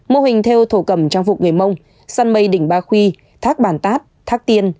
mô hình theo thổ cầm trang phục người mông săn mây đỉnh ba khuy thác bản tát thác tiên